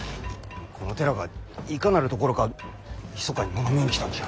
この寺がいかなるところかひそかに物見に来たんじゃ。